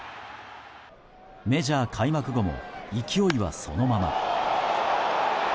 メジャー開幕後も勢いはそのまま。